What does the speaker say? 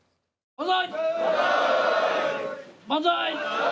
万歳！